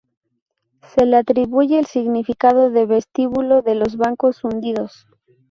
Se le atribuye el significado de ""vestíbulo de los bancos hundidos"".